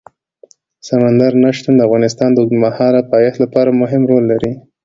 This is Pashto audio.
سمندر نه شتون د افغانستان د اوږدمهاله پایښت لپاره مهم رول لري.